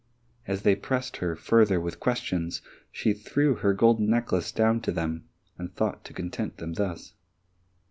As they pressed her further with questions she threw her golden necklace down to them, and thought to content them thus.